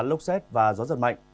lốc xét và gió giật mạnh